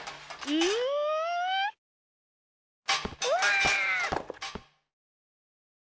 うわ！